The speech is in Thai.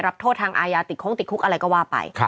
โทษทางอายาติดโค้งติดคุกอะไรก็ว่าไป